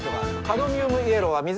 カドミウムイエローは水。